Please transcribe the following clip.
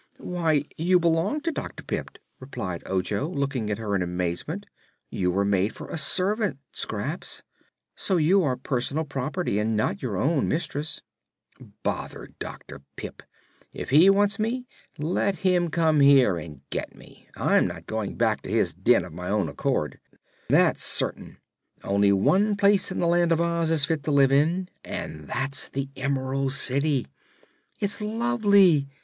"Why, you belong to Dr. Pipt," replied Ojo, looking at her in amazement. "You were made for a servant, Scraps, so you are personal property and not your own mistress." "Bother Dr. Pipt! If he wants me, let him come here and get me. I'll not go back to his den of my own accord; that's certain. Only one place in the Land of Oz is fit to live in, and that's the Emerald City. It's lovely!